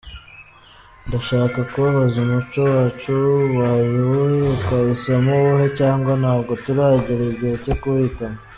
Ndashaka kubabaza umuco wacu ubaye uwuhe, twahisemo uwuhe cyangwa ntabwo turagera igihe cyo guhitamo?.